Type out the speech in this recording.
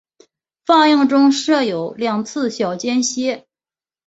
放映中设有两次小间歇。